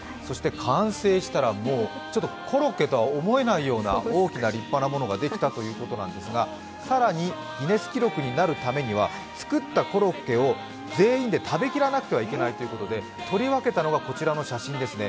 完成したらコロッケとは思えないような、大きな立派なものができたということですが更にギネス記録になるためには作ったコロッケを全員で食べきらなければいけないということで取り分けたのがこちらの写真ですね。